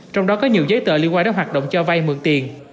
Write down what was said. trong đó có nhiều giấy tờ liên quan đến hoạt động cho vay mượn tiền